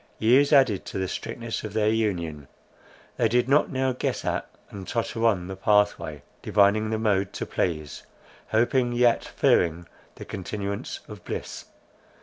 Years added to the strictness of their union. They did not now guess at, and totter on the pathway, divining the mode to please, hoping, yet fearing the continuance of bliss.